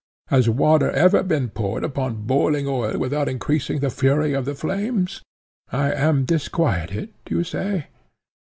Has water ever been poured upon boiling oil without increasing the fury of the flames? I am disquieted, you say?